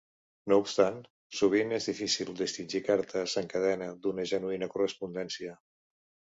No obstant, sovint és difícil distingir cartes en cadena d'una genuïna correspondència.